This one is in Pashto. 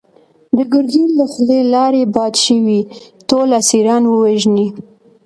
د ګرګين له خولې لاړې باد شوې! ټول اسيران ووژنی!